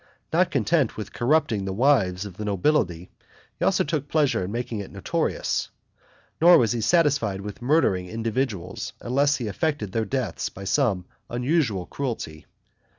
Not content with corrupting the wives of the nobility, he also took pleasure in making it notorious; nor was he satisfied with murdering individuals unless he effected their deaths by some unusual cruelty.